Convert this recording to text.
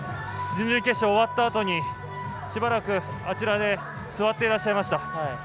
準々決勝が終わったあとにしばらくあちらで座っていらっしゃいました。